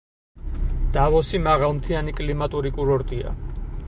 დავოსი მაღალმთიანი კლიმატური კურორტია.